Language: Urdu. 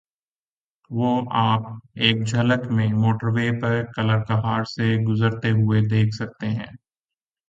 وہ آپ ایک جھلک میں موٹروے پہ کلرکہار سے گزرتے ہوئے دیکھ سکتے ہیں۔